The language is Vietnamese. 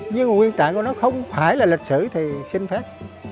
nhưng nguyên trạng của nó không phải là lịch sử thì xin phép